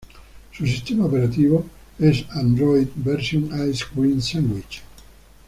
Su Sistema Operativo es Android versión Ice Cream Sandwich.